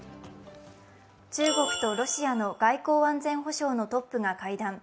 中国とロシアの外交安全保障のトップが会談。